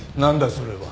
それは。